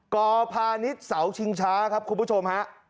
กพนิตสชิงชาครับคุณผู้ชมฮะ